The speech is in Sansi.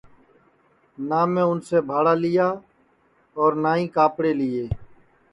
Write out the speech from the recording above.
نہ میں اُنسے بھاڑا لیا اور نہ ہی کاپڑے لیئے